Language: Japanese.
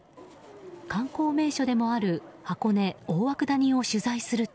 観光名所でもある箱根・大涌谷を取材すると。